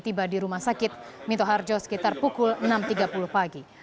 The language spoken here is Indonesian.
tiba di rumah sakit minto harjo sekitar pukul enam tiga puluh pagi